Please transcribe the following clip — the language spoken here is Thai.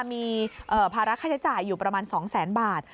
มีภาระค่าใช้จ่ายอยู่ประมาณ๒แสนบาท